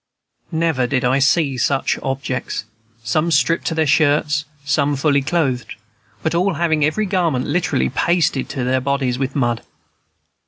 Never did I see such objects, some stripped to their shirts, some fully clothed, but all having every garment literally pasted to them bodies with mud.